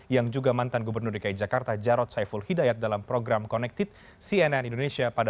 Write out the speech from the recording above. yang juga mantan gubernur dki jakarta jarod saiful hidayat dalam program connected cnn indonesia pada